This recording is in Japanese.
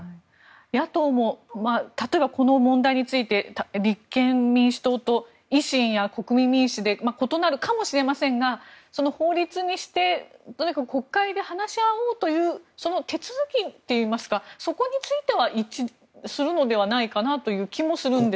野党も例えばこの問題について立憲民主党と維新や国民民主で異なるかもしれませんが法律にしてとにかく国会で話し合おうというその手続きといいますかそこについては一致するのではないかという気もするんですが。